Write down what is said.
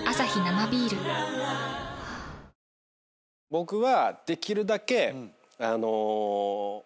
僕は。